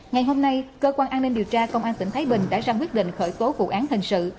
ngày hôm nay cơ quan an ninh điều tra công an tỉnh thái bình đã ra quyết định khởi tố vụ án hình sự